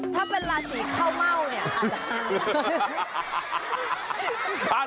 ถ้าเป็นราศีเข้าเม่าเนี่ยอาจจะ